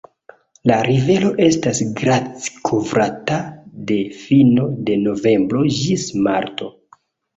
La rivero estas glacikovrata de fino de novembro ĝis marto.